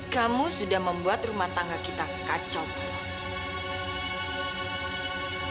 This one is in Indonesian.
kamu sudah membuat rumah tangga kita kacau